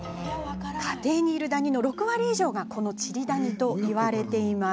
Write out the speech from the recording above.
家庭にいるダニの６割以上がこのチリダニといわれています。